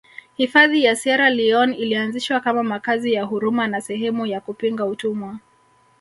Hifadhi ya Sierra Leone ilianzishwa kama makazi ya huruma na sehemu ya kupinga utumwa